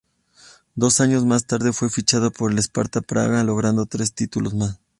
Dos años más tarde fue fichado por el Sparta Praga, logrando tres títulos más.